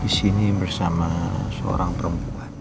disini bersama seorang perempuan